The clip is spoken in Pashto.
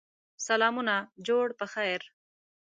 سلامونه جوړ په خیر!